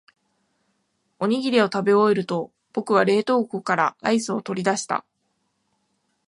おにぎりを食べ終えると、僕は冷凍庫からアイスを取り出した。